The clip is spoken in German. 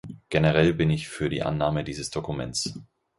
Generell bin ich für die Annahme dieses Dokuments.